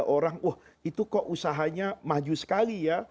orang wah itu kok usahanya maju sekali ya